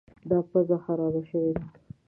دا پزه خرابه شوې ده.